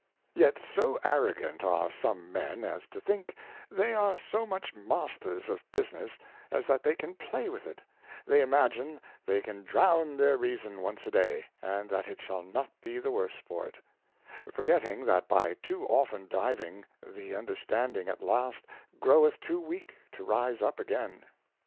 Yet so arrogant are some men, as to think they are so much Masters of Business, as that they can play with it; they imagine they can drown their Reason once a day, and that it shall not be the worse for it ; forgetting, that by too often diving the Understanding at last groweth too weak to rise up again.